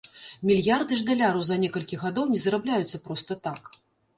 Мільярды ж даляраў за некалькі гадоў не зарабляюцца проста так.